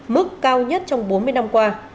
mức cao nhất trong bốn mươi năm qua